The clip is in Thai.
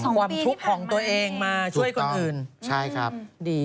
ความทุบของตัวเองมาช่วยคนอื่นดีสองปีที่ผ่านไหม